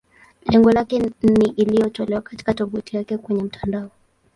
Lengo lake ni iliyotolewa katika tovuti yake kwenye mtandao.